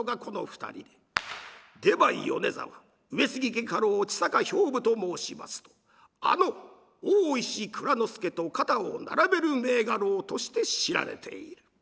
家家老千坂兵部と申しますとあの大石内蔵助と肩を並べる名家老として知られている。